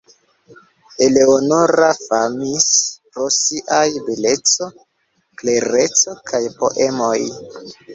Eleonora famis pro siaj beleco, klereco kaj poemoj.